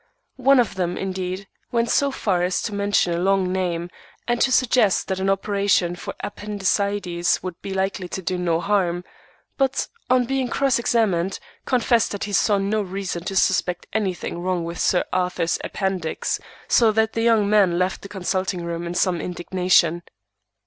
One of them, indeed, went so far as to mention a long name, and to suggest that an operation for appendicitis would be likely to do no harm; but, on being cross examined, confessed that he saw no reason to suspect anything wrong with Sir Arthur's appendix; so that the young man left the consulting room in some indignation.